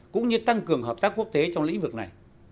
cũng như tăng cường hợp tác quốc tế trong lĩnh vực này